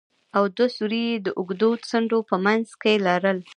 او دوه سوري يې د اوږدو څنډو په منځ کښې لرل.